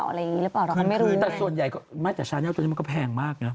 แต่ส่วนใหญ่ก็มักจะชาแนลตัวนี้มันก็แพงมากนะ